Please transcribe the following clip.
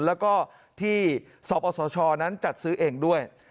แล้วก็ที่สปสชนั้นจัดซื้อเองด้วย